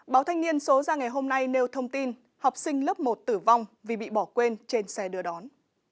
báo thanh niên số ra ngày hôm nay nêu thông tin học sinh lớp một tử vong vì bị bỏ quên trên xe đưa đón